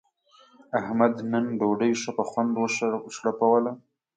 احمد نن ډوډۍ ښه په خوند و شړپوله.